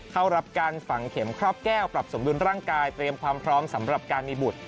เข้ารับการฝังเข็มครอบแก้วปรับสมดุลร่างกายเตรียมความพร้อมสำหรับการมีบุตร